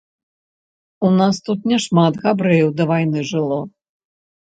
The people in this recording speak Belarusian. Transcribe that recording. У нас тут няшмат габрэяў да вайны жыло.